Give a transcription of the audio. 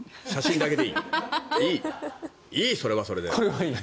いい、それはそれで。